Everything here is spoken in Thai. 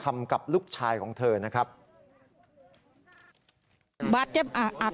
เพราะถูกทำร้ายเหมือนการบาดเจ็บเนื้อตัวมีแผลถลอก